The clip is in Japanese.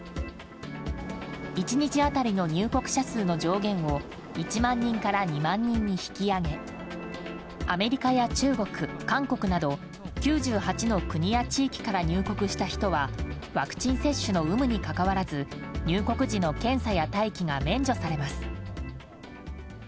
１日当たりの入国者数の上限を１万人から２万人に引き上げアメリカや中国、韓国など９８の国や地域から入国した人はワクチン接種の有無にかかわらず入国時の検査や待機が免除されます。